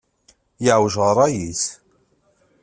Yeɛwej rray-is.